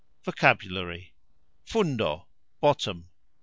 VOCABULARY. fundo : bottom.